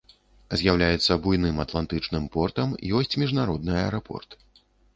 З'яўляецца буйным атлантычным портам, ёсць міжнародны аэрапорт.